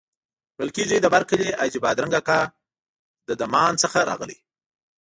ویل کېږي د برکلي حاجي بادرنګ اکا له دمان څخه راغلی.